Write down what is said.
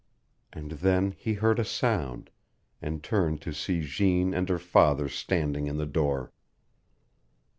And then he heard a sound, and turned to see Jeanne and her father standing in the door.